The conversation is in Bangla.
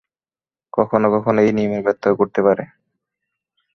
কখনো কখনো এ নিয়মের ব্যতয় ঘটতে পারে।